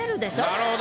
なるほど。